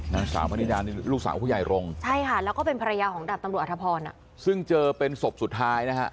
นางสาวพนิดานี่ลูกสาวผู้ใหญ่รงค์ใช่ค่ะแล้วก็เป็นภรรยาของดาบตำรวจอธพรซึ่งเจอเป็นศพสุดท้ายนะฮะ